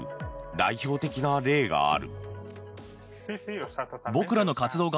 代表的な例がある。